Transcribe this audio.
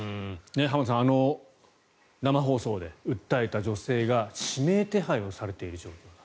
浜田さん、あの生放送で訴えた女性が指名手配をされている状況だと。